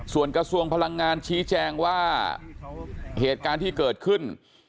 ส่วนกระทรวงพลังงานชี้แจงว่าเหตุการณ์ที่เกิดขึ้น